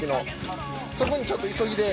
そこにちょっと急ぎで。